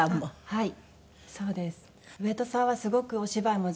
はい。